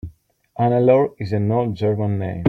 Hannelore is an old German name.